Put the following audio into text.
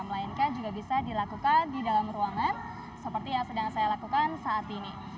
melainkan juga bisa dilakukan di dalam ruangan seperti yang sedang saya lakukan saat ini